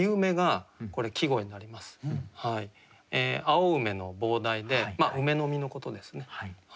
青梅の傍題でまあ梅の実のことですね。